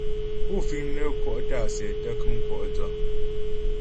Pú fiŋnyə kwɔ' tǎ'a sɛ tə́ kəm kwɔ' dsə.